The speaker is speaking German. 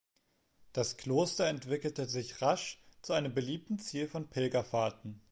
Das Kloster entwickelte sich rasch zu einem beliebten Ziel von Pilgerfahrten.